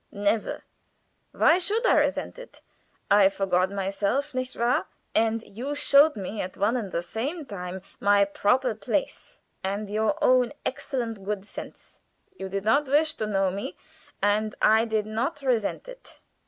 "Never. Why should I resent it? I forgot myself, nicht wahr! and you showed me at one and the same time my proper place and your own excellent good sense. You did not wish to know me, and I did not resent it.